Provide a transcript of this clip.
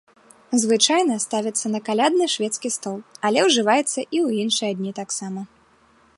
Звычайна ставіцца на калядны шведскі стол, але ўжываецца і ў іншыя дні таксама.